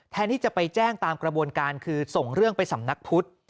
ที่จะไปแจ้งตามกระบวนการคือส่งเรื่องไปสำนักพุทธ